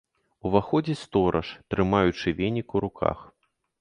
Уваходзіць стораж, трымаючы венік у руках.